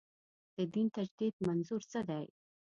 د دین تجدید منظور څه دی.